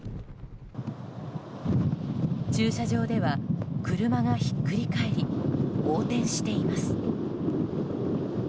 駐車場では、車がひっくり返り横転しています。